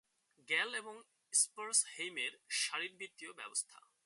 Gall এবং স্পার্জহেইমের শারীরবৃত্তীয় ব্যবস্থা'।